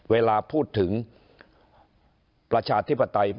เวลาพูดถึงประชาธิปไตย